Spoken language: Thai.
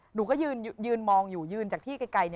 หนูก็ยืนมองอยู่ยืนจากที่ไกล